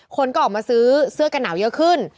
คนก็ออกมาซื้อเสื้อกันหนาวเยอะขึ้น